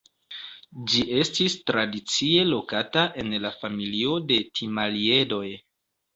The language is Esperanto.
Ĝi estis tradicie lokata en la familio de Timaliedoj.